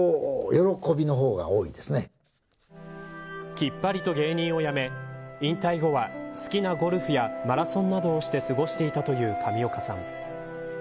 きっぱりと芸人を辞め引退後は好きなゴルフやマラソンなどをして過ごしていたという上岡さん。